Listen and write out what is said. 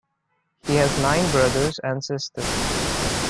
He has nine brothers and sisters.